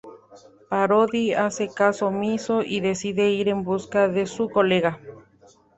Parodi hace caso omiso y decide ir en busca de su colega.